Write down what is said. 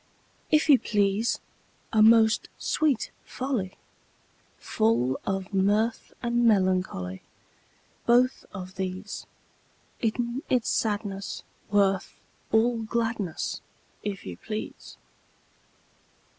If you please, A most sweet folly! Full of mirth and melancholy: Both of these! In its sadness worth all gladness, If you please!